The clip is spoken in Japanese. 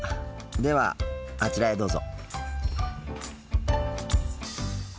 ではあちらへどうぞ。